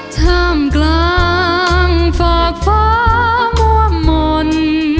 ธรรมกลางฝากฟ้ามั่วมนต์